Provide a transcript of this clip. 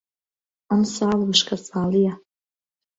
ئەم ساڵ وشکە ساڵییە.